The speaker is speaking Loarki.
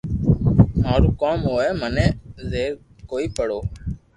مارو ڪاو ھوئي مني زبر ڪوئي پڙو